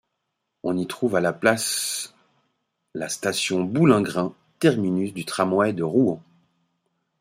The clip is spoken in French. On y trouve à la place la station Boulingrin, terminus du tramway de Rouen.